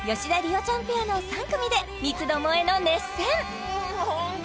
桜ちゃんペアの３組で三つどもえの熱戦